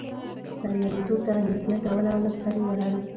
بریالیتوب ته اندیښنه کول او مسخرې وهل.